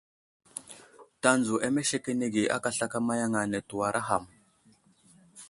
Tanzo amesekenege aka slakama yaŋ ane tewara ham.